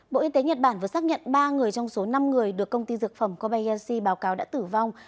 bộ y tế nhật bản vừa xác nhận ba người trong số năm người được công ty dược phẩm kobayashi báo cáo đã tử vong